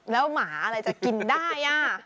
แล้วหมาอะไรจะกินได้